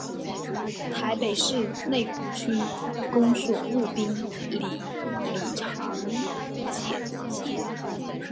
台北市内湖区公所湖滨里里长简介